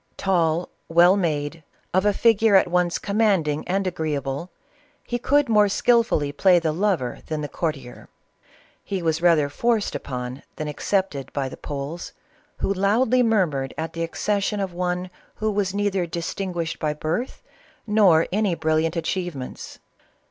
" Tall, well made, of a figure at once commanding and agree able," he could more skilfully play the lover than the courtier. He was rather forced upon than accepted by the Poles, who loudly murmured at the accession of one who was neither distinguished by birth nor any brilliant achievements.